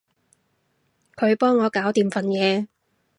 佢幫我搞掂份嘢